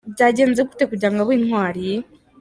Byagenze gute kugira ngo abe intwari?.